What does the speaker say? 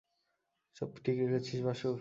সব ঠিক রেখেছিল বাসু?